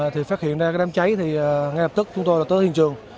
thì phát hiện ra cái đám cháy thì ngay lập tức chúng tôi đã tới hiện trường